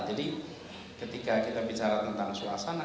ketika kita bicara tentang suasana